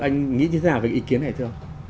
anh nghĩ thế nào về cái ý kiến này thưa ông